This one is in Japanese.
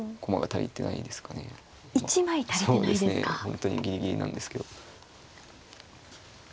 本当にギリギリなんですけど。